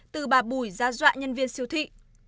từ bà bùi ra dọa nhân viên siêu thị